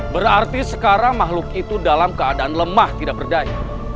berarti sekarang makhluk itu dalam keadaan lemah tidak berdaya